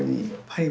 はい。